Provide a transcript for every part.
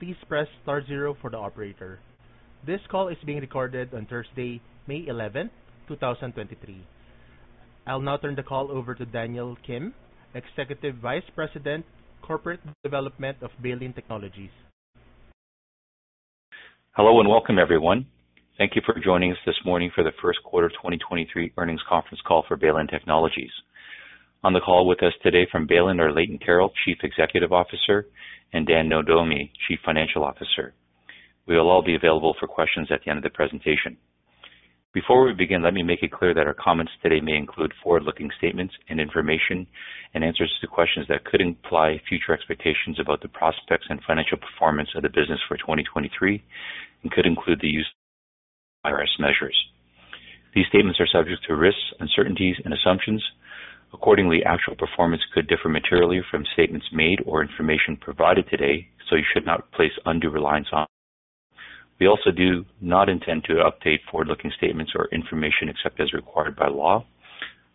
Please press star zero for the operator. This call is being recorded on Thursday, May 11th, 2023. I'll now turn the call over to Daniel Kim, Executive Vice President, Corporate Development of Baylin Technologies. Hello and welcome, everyone. Thank you for joining us this morning for the First Quarter 2023 Earnings Conference Call for Baylin Technologies. On the call with us today from Baylin are Leighton Carroll, Chief Executive Officer, and Dan Nohdomi, Chief Financial Officer. We will all be available for questions at the end of the presentation. Before we begin, let me make it clear that our comments today may include forward-looking statements and information and answers to questions that could imply future expectations about the prospects and financial performance of the business for 2023 and could include the use of IFRS measures. These statements are subject to risks, uncertainties and assumptions. Accordingly, actual performance could differ materially from statements made or information provided today, so you should not place undue reliance on them. We also do not intend to update forward-looking statements or information except as required by law.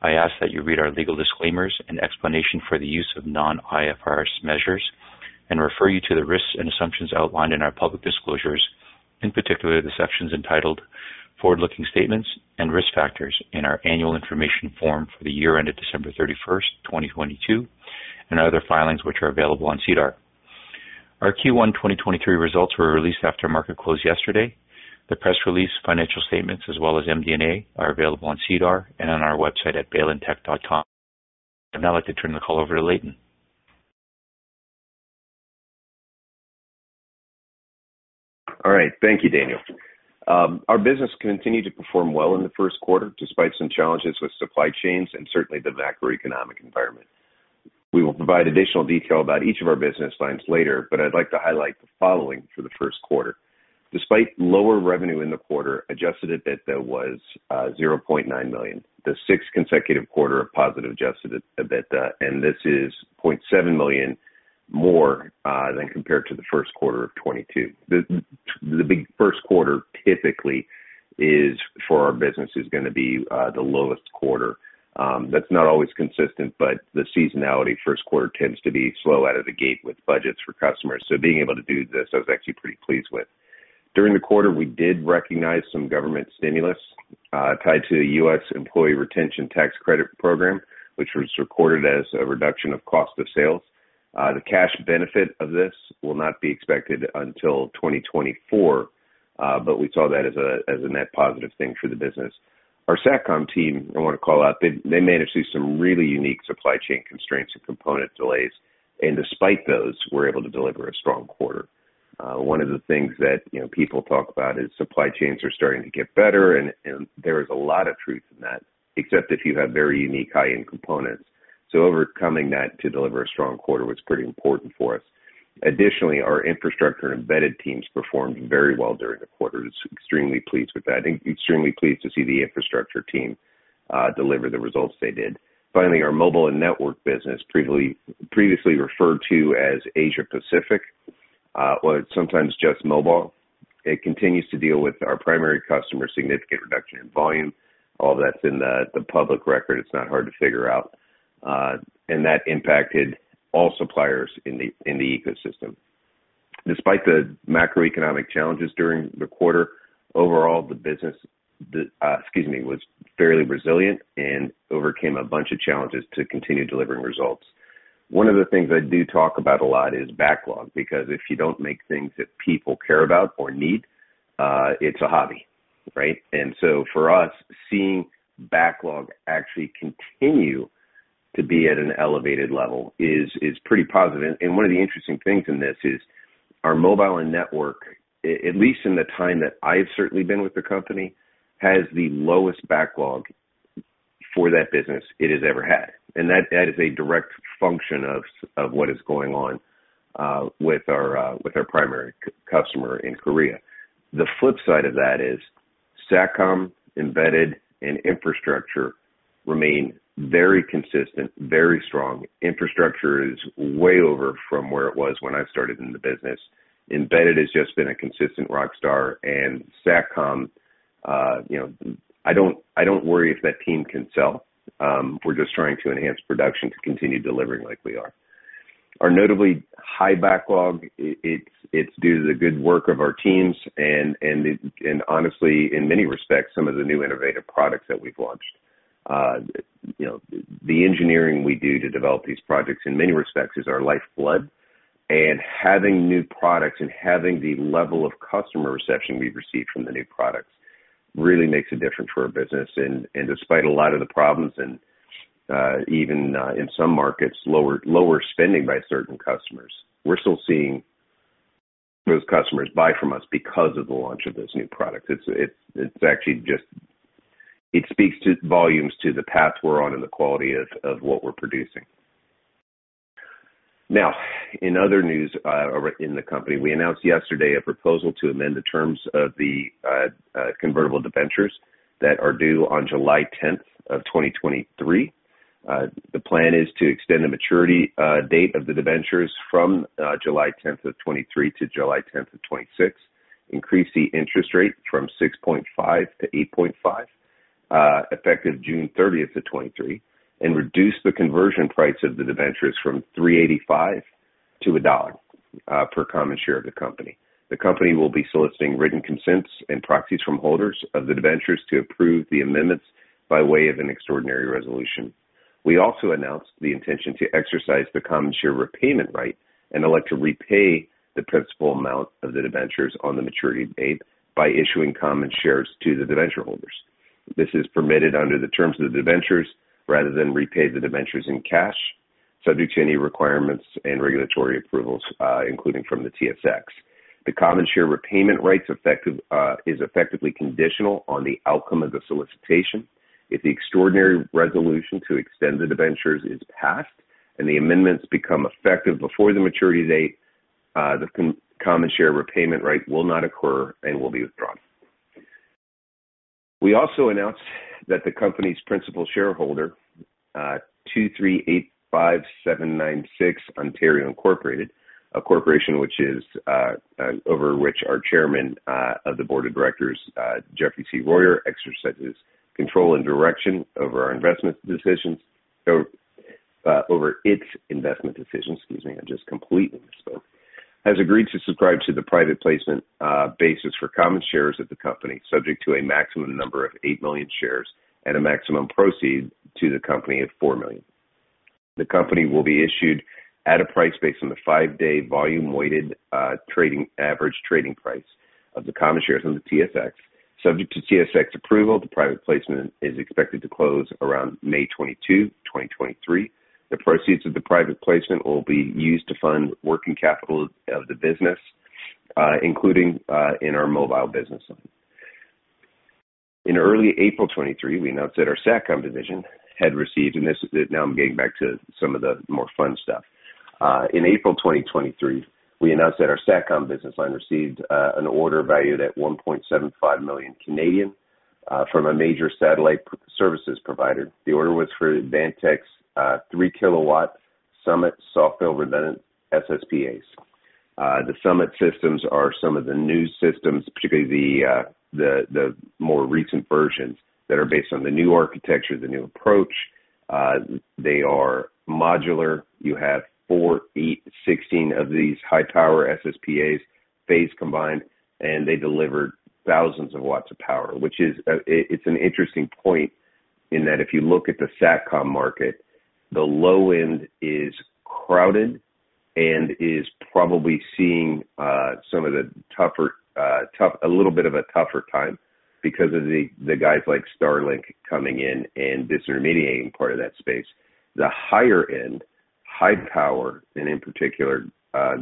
I ask that you read our legal disclaimers and explanation for the use of non-IFRS measures and refer you to the risks and assumptions outlined in our public disclosures, in particular the sections entitled Forward-Looking Statements and Risk Factors in our Annual Information Form for the year ended December 31st, 2022, and other filings which are available on SEDAR. Our Q1 2023 results were released after market close yesterday. The press release, financial statements as well as MD&A are available on SEDAR and on our website at baylintech.com. I'd now like to turn the call over to Leighton. Thank you, Daniel. Our business continued to perform well in the first quarter despite some challenges with supply chains and certainly the macroeconomic environment. We will provide additional detail about each of our business lines later, but I'd like to highlight the following for the first quarter. Despite lower revenue in the quarter, Adjusted EBITDA was 0.9 million, the sixth consecutive quarter of positive Adjusted EBITDA, and this is 0.7 million more than compared to the first quarter of 2022. The big first quarter typically is, for our business, is gonna be the lowest quarter. That's not always consistent, but the seasonality first quarter tends to be slow out of the gate with budgets for customers. Being able to do this, I was actually pretty pleased with. During the quarter, we did recognize some government stimulus, tied to the U.S. Employee Retention Tax Credit program, which was recorded as a reduction of cost of sales. The cash benefit of this will not be expected until 2024, we saw that as a net positive thing for the business. Our Satcom team, I wanna call out, they managed through some really unique supply chain constraints and component delays, and despite those, we're able to deliver a strong quarter. One of the things that, you know, people talk about is supply chains are starting to get better and there is a lot of truth in that, except if you have very unique high-end components. Overcoming that to deliver a strong quarter was pretty important for us. Additionally, our infrastructure and embedded teams performed very well during the quarter. Just extremely pleased with that, extremely pleased to see the infrastructure team deliver the results they did. Finally, our mobile and network business, previously referred to as Asia Pacific, or sometimes just mobile, it continues to deal with our primary customer's significant reduction in volume. All that's in the public record, it's not hard to figure out. That impacted all suppliers in the ecosystem. Despite the macroeconomic challenges during the quarter, overall the business, excuse me, was fairly resilient and overcame a bunch of challenges to continue delivering results. One of the things I do talk about a lot is backlog, because if you don't make things that people care about or need, it's a hobby, right? For us, seeing backlog actually continue to be at an elevated level is pretty positive. One of the interesting things in this is our mobile and network, at least in the time that I've certainly been with the company, has the lowest backlog for that business it has ever had. That is a direct function of what is going on with our primary customer in Korea. The flip side of that is Satcom, embedded and infrastructure remain very consistent, very strong. Infrastructure is way over from where it was when I started in the business. Embedded has just been a consistent rock star and Satcom, you know, I don't worry if that team can sell. We're just trying to enhance production to continue delivering like we are. Our notably high backlog, it's due to the good work of our teams and honestly, in many respects, some of the new innovative products that we've launched. You know, the engineering we do to develop these projects in many respects is our lifeblood. Having new products and having the level of customer reception we've received from the new products really makes a difference for our business. Despite a lot of the problems and even in some markets, lower spending by certain customers, we're still seeing those customers buy from us because of the launch of those new products. It's actually just... It speaks to volumes to the path we're on and the quality of what we're producing. In other news, in the company, we announced yesterday a proposal to amend the terms of the convertible debentures that are due on July 10th, 2023. The plan is to extend the maturity date of the debentures from July 10th, 2023 to July 10th, 2026, increase the interest rate from 6.5% to 8.5%, effective June 30th, 2023, and reduce the conversion price of the debentures from 3.85 to CAD 1.00 per common share of the company. The company will be soliciting written consents and proxies from holders of the debentures to approve the amendments by way of an extraordinary resolution. We also announced the intention to exercise the common share repayment right and elect to repay the principal amount of the debentures on the maturity date by issuing common shares to the debenture holders. This is permitted under the terms of the debentures rather than repay the debentures in cash, subject to any requirements and regulatory approvals, including from the TSX. The common share repayment right is effectively conditional on the outcome of the solicitation. If the extraordinary resolution to extend the debentures is passed and the amendments become effective before the maturity date, the common share repayment right will not occur and will be withdrawn. We also announced that the company's principal shareholder, 2385796 Ontario Inc., a corporation which is over which our Chairman of the Board of Directors, Jeffrey C. Royer exercises control and direction over our investment decisions. Or, over its investment decisions. Excuse me. I just completely misspoke. Has agreed to subscribe to the private placement basis for common shares of the company, subject to a maximum number of 8 million shares at a maximum proceed to the company of 4 million. The company will be issued at a price based on the five-day volume-weighted average trading price of the common shares on the TSX. Subject to TSX approval, the private placement is expected to close around May 22, 2023. The proceeds of the private placement will be used to fund working capital of the business, including in our mobile business line. In early April 2023, we announced that our Satcom division had received, and this is it. Now I'm getting back to some of the more fun stuff. In April 2023, we announced that our Satcom business line received an order valued at 1.75 million from a major satellite services provider. The order was for Advantech's 3-kW Summit soft-fail redundant SSPAs. The Summit systems are some of the new systems, particularly the more recent versions that are based on the new architecture, the new approach. They are modular. You have four, eight, 16 of these high-power SSPAs phase combined, and they deliver thousands of watts of power, which is it's an interesting point in that if you look at the Satcom market, the low end is crowded and is probably seeing some of the tougher a little bit of a tougher time because of the guys like Starlink coming in and disintermediating part of that space. The higher end, high power, and in particular,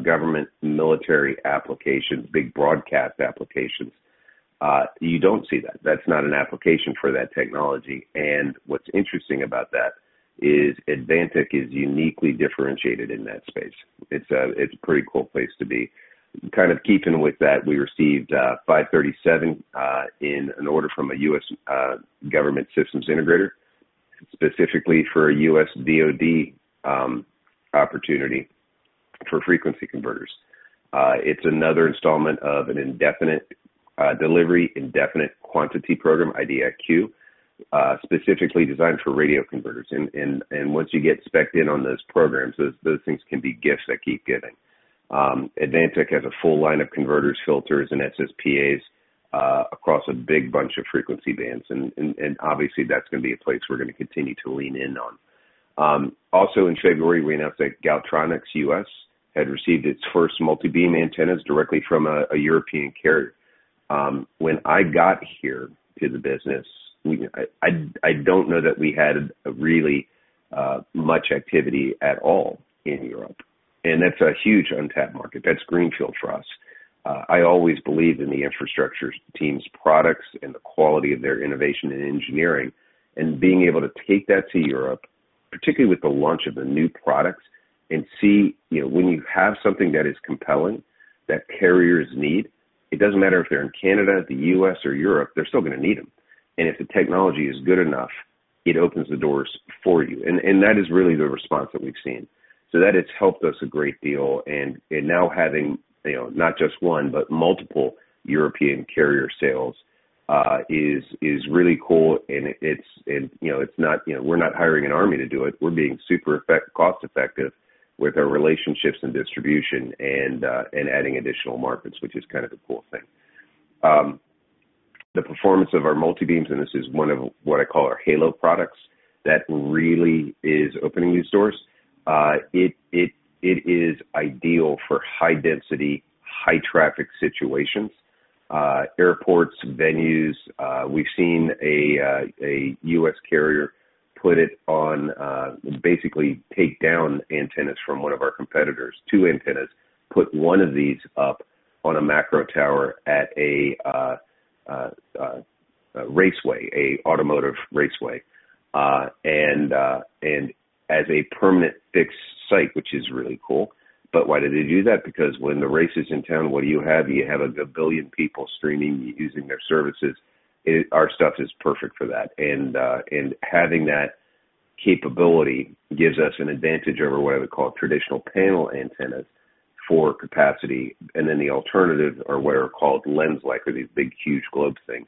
government military applications, big broadcast applications, you don't see that. That's not an application for that technology. What's interesting about that is Advantech is uniquely differentiated in that space. It's a, it's a pretty cool place to be. Kind of keeping with that, we received 537 in an order from a U.S. government systems integrator, specifically for a U.S. DOD opportunity for frequency converters. It's another installment of an indefinite delivery, indefinite quantity program, IDIQ, specifically designed for radio converters. Once you get spec-ed in on those programs, those things can be gifts that keep giving. Advantech has a full line of converters, filters, and SSPAs, across a big bunch of frequency bands and obviously that's going to be a place we're going to continue to lean in on. Also in February, we announced that Galtronics U.S. had received its first multibeam antennas directly from a European carrier. When I got here to the business, you know, I don't know that we had really much activity at all in Europe, and that's a huge untapped market. That's greenfield for us. I always believed in the infrastructure team's products and the quality of their innovation and engineering. Being able to take that to Europe, particularly with the launch of the new products and see, you know, when you have something that is compelling that carriers need, it doesn't matter if they're in Canada, the U.S., or Europe, they're still gonna need them. If the technology is good enough, it opens the doors for you. That is really the response that we've seen. That has helped us a great deal. Now having, you know, not just one, but multiple European carrier sales is really cool. It's, and, you know, it's not, you know, we're not hiring an army to do it. We're being super cost-effective with our relationships and distribution and adding additional markets, which is kind of the cool thing. The performance of our multibeams, and this is one of what I call our halo products that really is opening these doors. It is ideal for high density, high traffic situations, airports, venues. We've seen a U.S. carrier put it on, basically take down antennas from one of our competitors, two antennas, put one of these up on a macro tower at a raceway, a automotive raceway, and as a permanent fixed site, which is really cool. Why do they do that? Because when the race is in town, what do you have? You have 1 billion people streaming, using their services. Our stuff is perfect for that. Having that capability gives us an advantage over what I would call traditional panel antennas for capacity. The alternatives are what are called lens-like, or these big, huge globe things.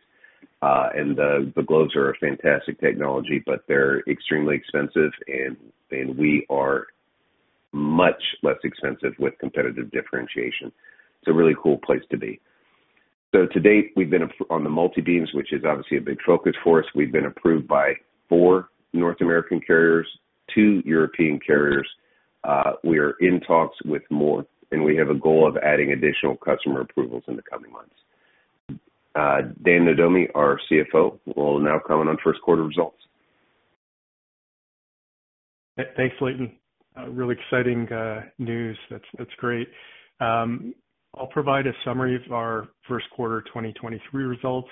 The globes are a fantastic technology, but they're extremely expensive, and we are much less expensive with competitive differentiation. It's a really cool place to be. To date, we've been on the multibeams, which is obviously a big focus for us. We've been approved by four North American carriers, two European carriers. We are in talks with more, and we have a goal of adding additional customer approvals in the coming months. Dan Nohdomi, our CFO, will now comment on first quarter results. Thanks, Leighton. Really exciting news. That's great. I'll provide a summary of our first quarter 2023 results.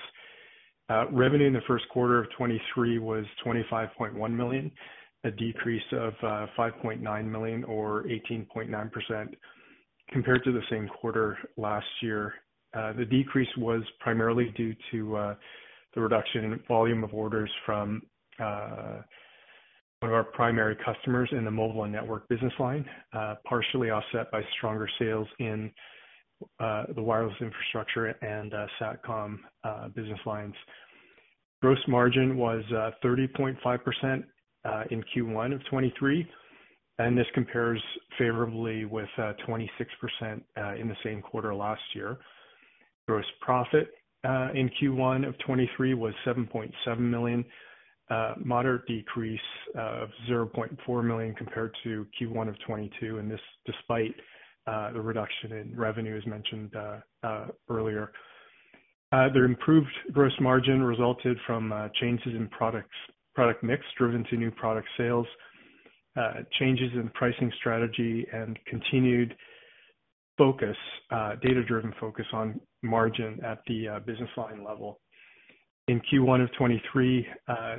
Revenue in the first quarter of 2023 was 25.1 million, a decrease of 5.9 million or 18.9% compared to the same quarter last year. The decrease was primarily due to the reduction in volume of orders from one of our primary customers in the mobile and network business line, partially offset by stronger sales in the wireless infrastructure and Satcom business lines. Gross margin was 30.5% in Q1 of 2023. This compares favorably with 26% in the same quarter last year. Gross profit in Q1 of 2023 was 7.7 million, a moderate decrease of 0.4 million compared to Q1 of 2022, and this despite the reduction in revenue as mentioned earlier. Their improved gross margin resulted from changes in products, product mix driven to new product sales, changes in pricing strategy, and continued focus, data-driven focus on margin at the business line level. In Q1 of 2023,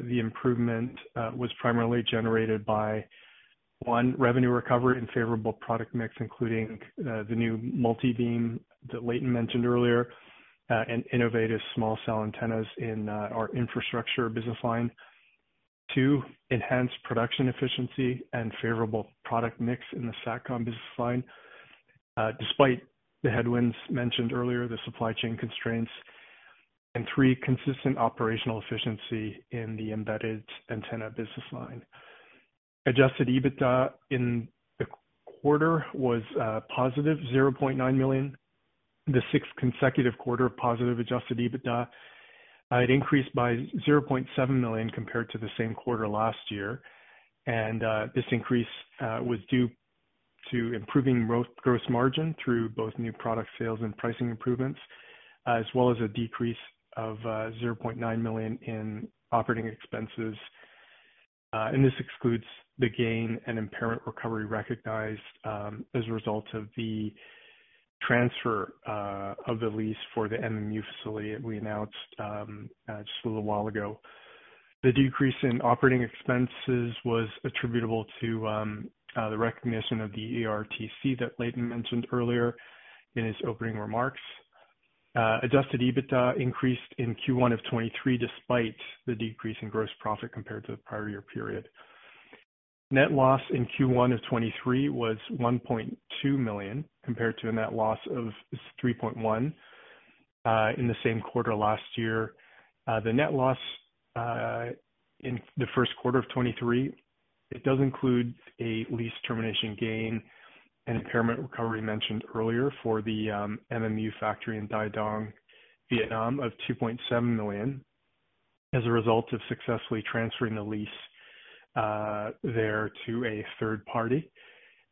the improvement was primarily generated by, one, revenue recovery and favorable product mix, including the new multibeam that Leighton mentioned earlier, and innovative small cell antennas in our infrastructure business line. Two, enhanced production efficiency and favorable product mix in the Satcom business line, despite the headwinds mentioned earlier, the supply chain constraints. Three, consistent operational efficiency in the embedded antenna business line. Adjusted EBITDA in the quarter was positive 0.9 million, the sixth consecutive quarter of positive Adjusted EBITDA. It increased by 0.7 million compared to the same quarter last year. This increase was due to improving gross margin through both new product sales and pricing improvements, as well as a decrease of 0.9 million in operating expenses. This excludes the gain and impairment recovery recognized as a result of the transfer of the lease for the MMU facility we announced just a little while ago. The decrease in operating expenses was attributable to the recognition of the ERTC that Leighton mentioned earlier in his opening remarks. Adjusted EBITDA increased in Q1 of 2023 despite the decrease in gross profit compared to the prior year period. Net loss in Q1 of 2023 was 1.2 million compared to a net loss of 3.1 million in the same quarter last year. The net loss in the first quarter of 2023, it does include a lease termination gain and impairment recovery mentioned earlier for the MMU factory in Dai Dong, Vietnam, of 2.7 million as a result of successfully transferring the lease there to a third party.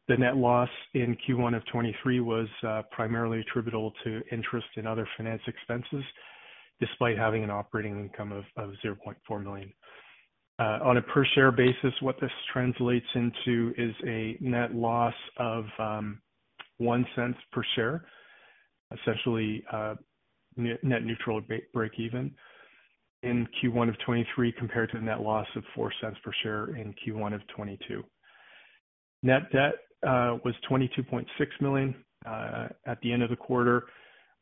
The net loss in Q1 of 2023 was primarily attributable to interest in other finance expenses, despite having an operating income of 0.4 million. On a per share basis, what this translates into is a net loss of 0.01 per share, essentially net neutral or break even in Q1 of 2023 compared to a net loss of 0.04 per share in Q1 of 2022. Net debt was 22.6 million at the end of the quarter,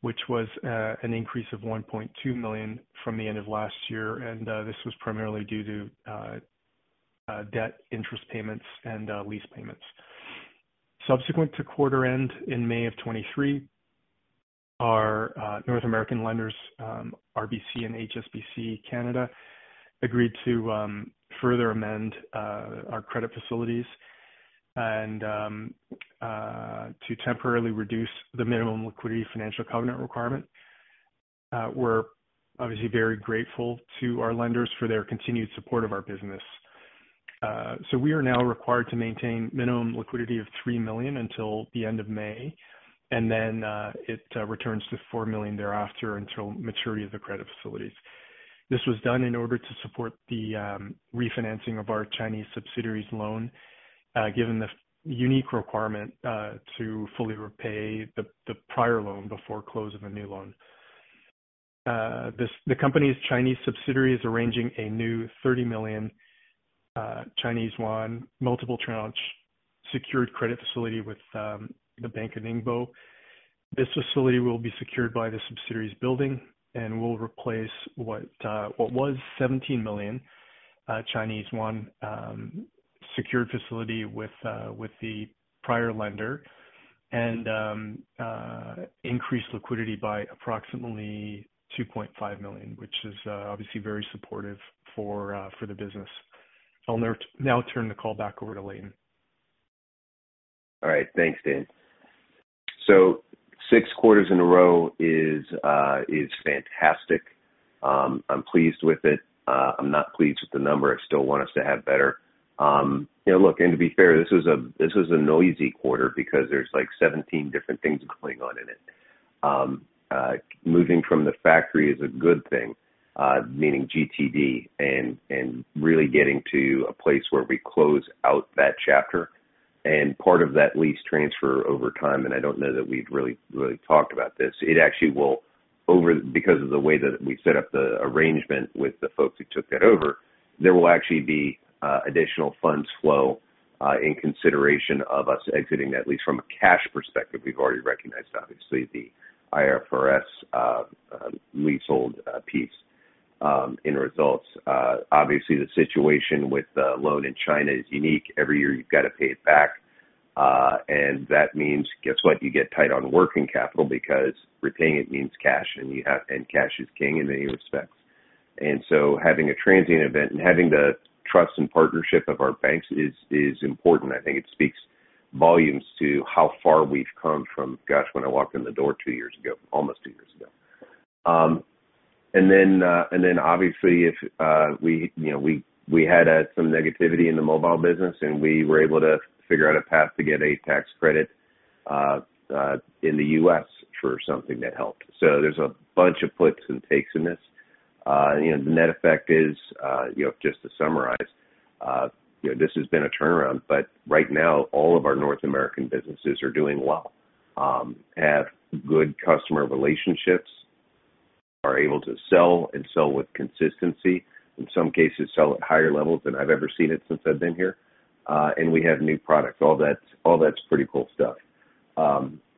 which was an increase of 1.2 million from the end of last year. This was primarily due to debt interest payments and lease payments. Subsequent to quarter end in May of 2023, our North American lenders, RBC and HSBC Canada, agreed to further amend our credit facilities and to temporarily reduce the minimum liquidity financial covenant requirement. We're obviously very grateful to our lenders for their continued support of our business. We are now required to maintain minimum liquidity of 3 million until the end of May, and then it returns to 4 million thereafter until maturity of the credit facilities. This was done in order to support the refinancing of our Chinese subsidiaries loan, given the unique requirement to fully repay the prior loan before close of a new loan. The company's Chinese subsidiary is arranging a new 30 million Chinese yuan multiple tranche secured credit facility with the Bank of Ningbo. This facility will be secured by the subsidiary's building and will replace what was 17 million secured facility with the prior lender and increase liquidity by approximately 2.5 million, which is obviously very supportive for the business. I'll now turn the call back over to Leighton. All right. Thanks, Dan. Six quarters in a row is fantastic. I'm pleased with it. I'm not pleased with the number. I still want us to have better. You know, look, and to be fair, this was a noisy quarter because there's like 17 different things going on in it. Moving from the factory is a good thing, meaning GTD and really getting to a place where we close out that chapter. Part of that lease transfer over time, and I don't know that we've really talked about this. It actually will because of the way that we set up the arrangement with the folks who took that over, there will actually be additional funds flow in consideration of us exiting, at least from a cash perspective we've already recognized, obviously the IFRS leasehold piece in results. Obviously the situation with the loan in China is unique. Every year you've got to pay it back, that means, guess what? You get tight on working capital because repaying it means cash is king in many respects. Having a transient event and having the trust and partnership of our banks is important. I think it speaks volumes to how far we've come from, gosh, when I walked in the door almost two years ago. Obviously, if, we, you know, we had some negativity in the mobile business, and we were able to figure out a path to get a tax credit in the U.S. for something that helped. There's a bunch of puts and takes in this. The net effect is, you know, just to summarize, you know, this has been a turnaround, but right now all of our North American businesses are doing well, have good customer relationships, are able to sell and sell with consistency, in some cases sell at higher levels than I've ever seen it since I've been here. We have new products. All that's pretty cool stuff.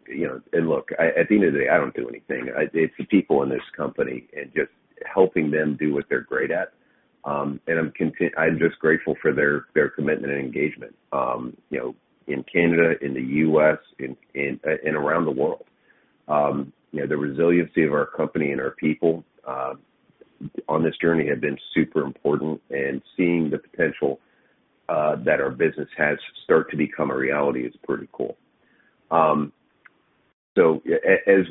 You know, look, at the end of the day, I don't do anything. It's the people in this company and just helping them do what they're great at. I'm just grateful for their commitment and engagement, you know, in Canada, in the U.S., and around the world. You know, the resiliency of our company and our people on this journey have been super important, and seeing the potential that our business has start to become a reality is pretty cool. As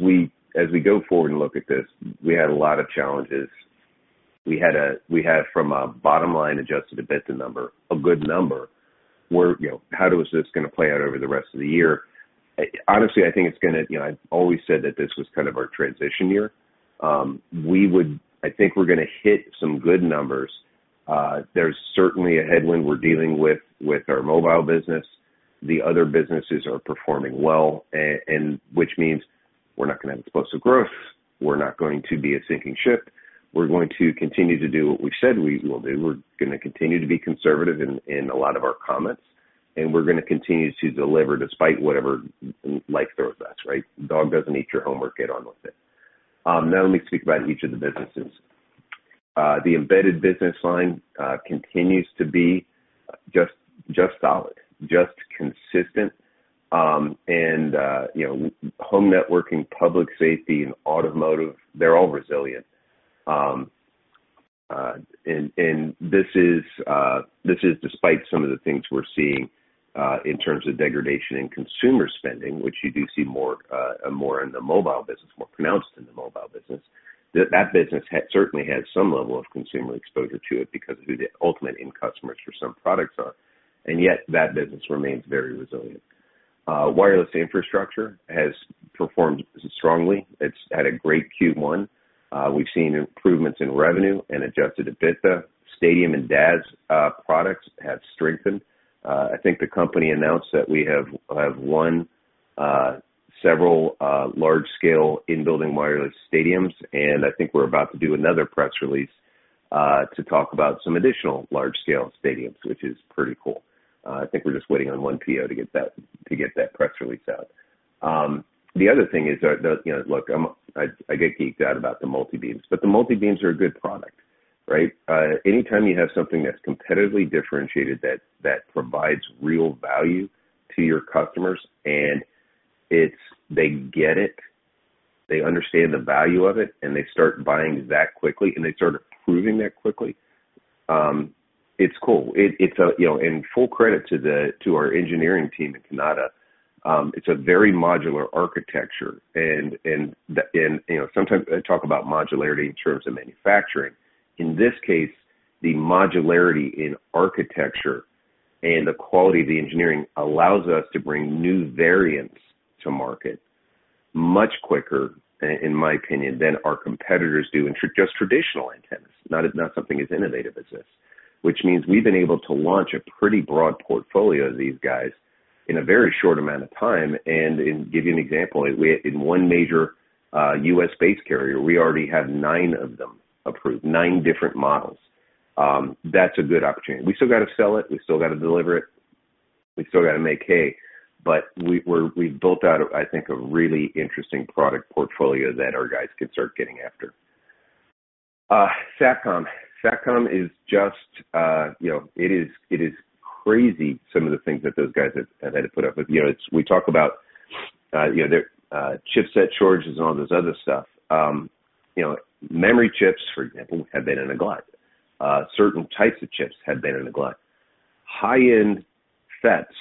we, as we go forward and look at this, we had a lot of challenges. We had from a bottom line Adjusted EBITDA number, a good number, where, you know, how is this gonna play out over the rest of the year? Honestly, You know, I've always said that this was kind of our transition year. I think we're gonna hit some good numbers. There's certainly a headwind we're dealing with our mobile business. The other businesses are performing well which means we're not gonna have explosive growth. We're not going to be a sinking ship. We're going to continue to do what we said we will do. We're gonna continue to be conservative in a lot of our comments, and we're gonna continue to deliver despite whatever life throws us, right? Dog doesn't eat your homework, get on with it. Now let me speak about each of the businesses. The embedded business line continues to be just solid, just consistent. You know, home networking, public safety, and automotive, they're all resilient. This is despite some of the things we're seeing in terms of degradation in consumer spending, which you do see more in the mobile business, more pronounced in the mobile business. That business certainly has some level of consumer exposure to it because who the ultimate end customers for some products are. Yet that business remains very resilient. Wireless infrastructure has performed strongly. It's had a great Q1. We've seen improvements in revenue and Adjusted EBITDA. Stadium and DAS products have strengthened. I think the company announced that we have won several large scale in building wireless stadiums, and I think we're about to do another press release to talk about some additional large scale stadiums, which is pretty cool. I think we're just waiting on one PO to get that, to get that press release out. The other thing is that, you know, look, I get geeked out about the multibeams, but the multibeams are a good product, right? Anytime you have something that's competitively differentiated that provides real value to your customers and they get it, they understand the value of it, and they start buying that quickly, and they start approving that quickly, it's cool. It, it's a, you know, full credit to our engineering team in Canada. It's a very modular architecture and the, and, you know, sometimes I talk about modularity in terms of manufacturing. In this case, the modularity in architecture and the quality of the engineering allows us to bring new variants to market much quicker, in my opinion, than our competitors do in just traditional antennas, not something as innovative as this. We've been able to launch a pretty broad portfolio of these guys in a very short amount of time. To give you an example, in one major U.S.-based carrier, we already have nine of them approved, nine different models. That's a good opportunity. We still got to sell it. We still got to deliver it. We still got to make hay. We've built out, I think, a really interesting product portfolio that our guys can start getting after. Satcom. Satcom is just, you know, it is, it is crazy some of the things that those guys have had to put up with. You know, we talk about, you know, their chipset shortages and all this other stuff. You know, memory chips, for example, have been in a glut. Certain types of chips have been in a glut. High-end FETs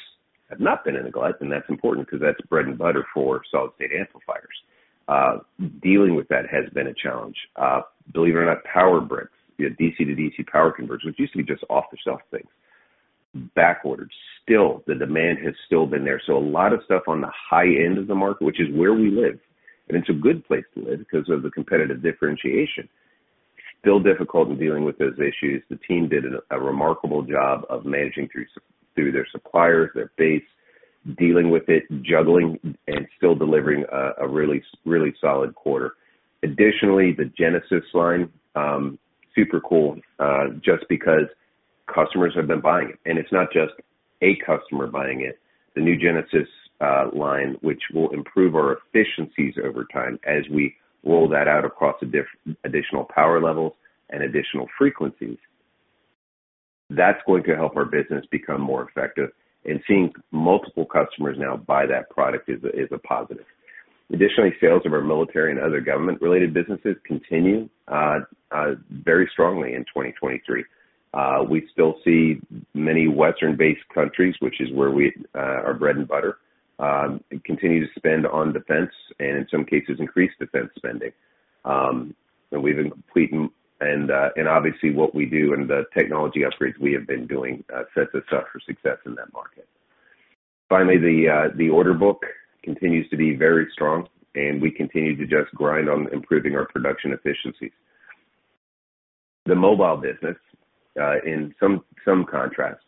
have not been in a glut, and that's important because that's bread and butter for solid-state amplifiers. Dealing with that has been a challenge. Believe it or not, power bricks, you know, DC-to-DC power converters, which used to be just off-the-shelf things, backordered still. The demand has still been there. A lot of stuff on the high end of the market, which is where we live, and it's a good place to live because of the competitive differentiation, still difficult in dealing with those issues. The team did a remarkable job of managing through their suppliers, their base, dealing with it, juggling, and still delivering a really, really solid quarter. Additionally, the Genesis line, super cool, just because customers have been buying it, and it's not just a customer buying it. The new Genesis line, which will improve our efficiencies over time as we roll that out across additional power levels and additional frequencies, that's going to help our business become more effective. Seeing multiple customers now buy that product is a positive. Additionally, sales of our military and other government-related businesses continue very strongly in 2023. We still see many Western-based countries, which is where we, our bread and butter, continue to spend on defense and in some cases increase defense spending. Obviously what we do and the technology upgrades we have been doing sets us up for success in that market. Finally, the order book continues to be very strong, and we continue to just grind on improving our production efficiencies. The mobile business, in some contrast,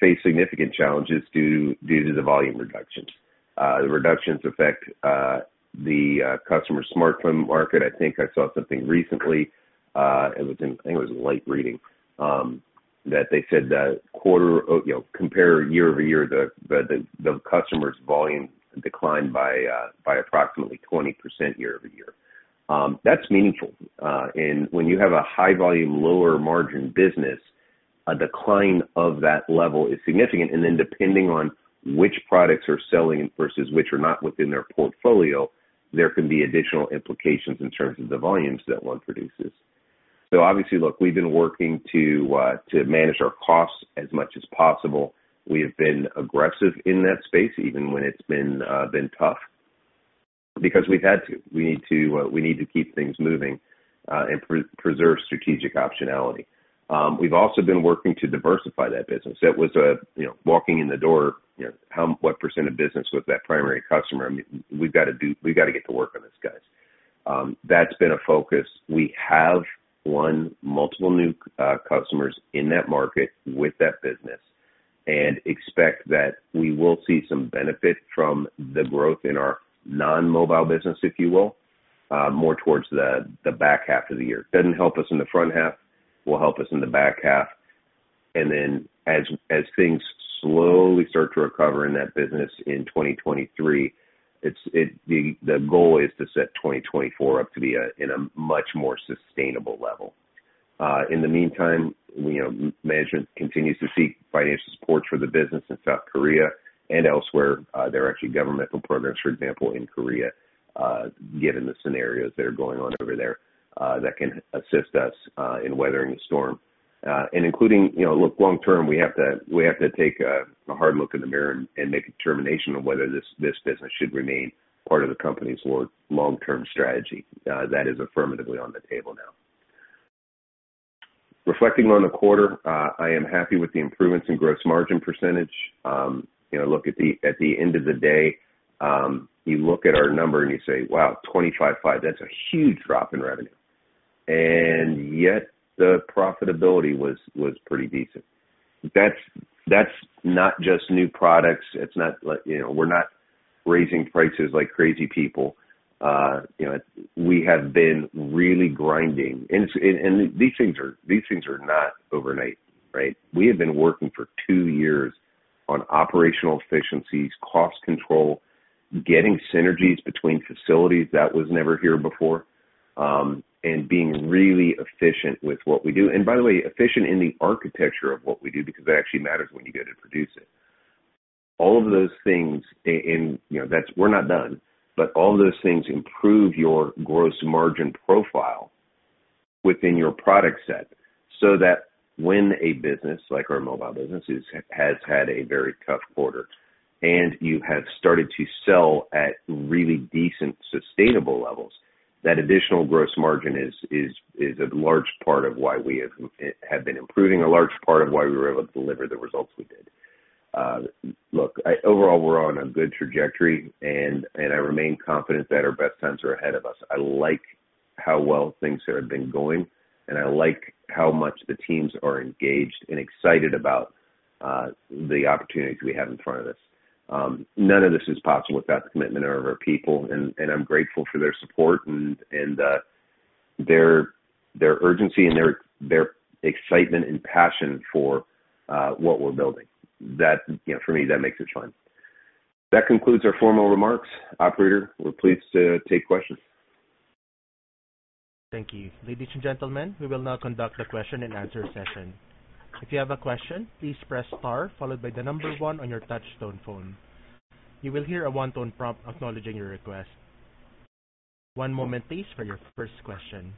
faced significant challenges due to the volume reductions. The reductions affect the customer smartphone market. I think I saw something recently. I think it was Light Reading, that they said that quarter, you know, compare year-over-year, the customers' volume declined by approximately 20% year-over-year. That's meaningful. When you have a high volume, lower margin business, a decline of that level is significant. Depending on which products are selling versus which are not within their portfolio, there can be additional implications in terms of the volumes that one produces. Obviously, look, we've been working to manage our costs as much as possible. We have been aggressive in that space, even when it's been tough, because we've had to. We need to keep things moving, and preserve strategic optionality. We've also been working to diversify that business. That was, you know, walking in the door, you know, what percent of business with that primary customer, I mean, we've got to get to work on this, guys. That's been a focus. We have won multiple new customers in that market with that business and expect that we will see some benefit from the growth in our non-mobile business, if you will, more towards the back half of the year. Doesn't help us in the front half, will help us in the back half. As, as things slowly start to recover in that business in 2023, the goal is to set 2024 up to be a, in a much more sustainable level. In the meantime, you know, management continues to seek financial support for the business in South Korea and elsewhere. There are actually governmental programs, for example, in Korea, given the scenarios that are going on over there, that can assist us in weathering the storm. Including, you know, look, long term, we have to take a hard look in the mirror and make a determination of whether this business should remain part of the company's long-term strategy. That is affirmatively on the table now. Reflecting on the quarter, I am happy with the improvements in gross margin percentage. You know, look, at the end of the day, you look at our number, and you say, "Wow, 25.5, that's a huge drop in revenue." Yet the profitability was pretty decent. That's not just new products. It's not like, you know, we're not raising prices like crazy people. You know, we have been really grinding. These things are not overnight, right? We have been working for two years on operational efficiencies, cost control, getting synergies between facilities that was never here before, and being really efficient with what we do. By the way, efficient in the architecture of what we do, because that actually matters when you go to produce it. All of those things in, you know. We're not done, but all those things improve your gross margin profile within your product set, so that when a business like our mobile business has had a very tough quarter, and you have started to sell at really decent, sustainable levels, that additional gross margin is a large part of why we have been improving, a large part of why we were able to deliver the results we did. Look, overall, we're on a good trajectory and I remain confident that our best times are ahead of us. I like how well things here have been going, and I like how much the teams are engaged and excited about the opportunities we have in front of us. None of this is possible without the commitment of our people, and I'm grateful for their support and their urgency and their excitement and passion for what we're building. That, you know, for me, that makes it fun. That concludes our formal remarks. Operator, we're pleased to take questions. Thank you. Ladies and gentlemen, we will now conduct a question-and-answer session. If you have a question, please press star followed by the number one on your touch-tone phone. You will hear a one-tone prompt acknowledging your request. One moment please for your first question.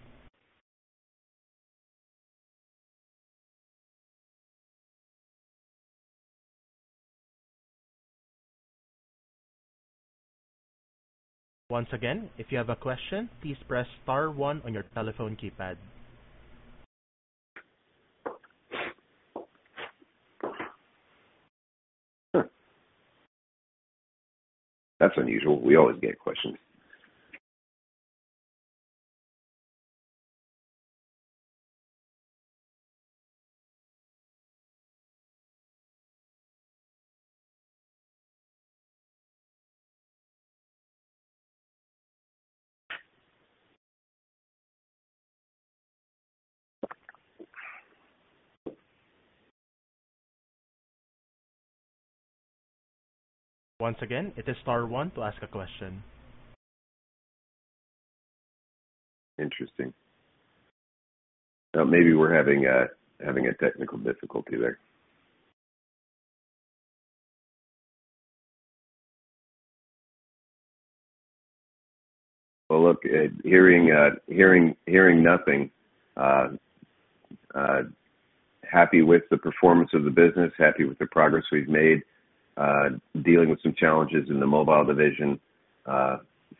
Once again, if you have a question, please press star one on your telephone keypad. That's unusual. We always get questions. Once again, it is star one to ask a question. Interesting. Maybe we're having a technical difficulty there. Look, hearing nothing, happy with the performance of the business, happy with the progress we've made, dealing with some challenges in the mobile division.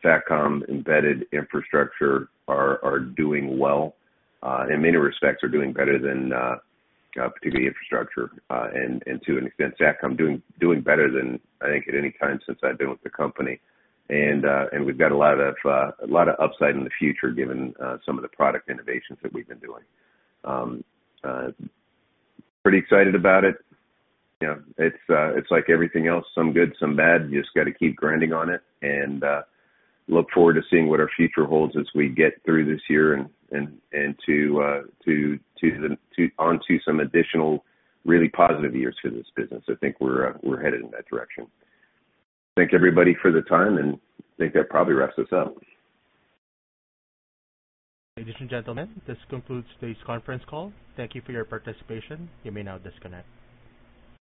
Satcom, Embedded, Infrastructure are doing well, in many respects are doing better than, particularly Infrastructure, and to an extent, Satcom doing better than I think at any time since I've been with the company. We've got a lot of upside in the future, given some of the product innovations that we've been doing. Pretty excited about it. You know, it's like everything else, some good, some bad. You just gotta keep grinding on it and look forward to seeing what our future holds as we get through this year and to the onto some additional really positive years for this business. I think we're headed in that direction. Thank everybody for the time, I think that probably wraps us up. Ladies and gentlemen, this concludes today's conference call. Thank you for your participation. You may now disconnect.